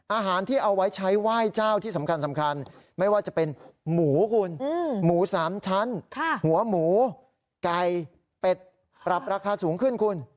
อาหารที่เอาไว้ใช้ไหว้เจ้าที่สำคัญไม่ว่าจะเป็นหมูคุณหมู๓ชั้นหัวหมูไก่เป็ดปรับราคาสูงขึ้นคุณ